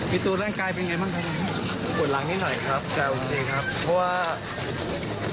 คุณตูนร่างกายเป็นยังไงบ้างขวดหลังนิดหน่อยครับจะโอเคครับเพราะว่า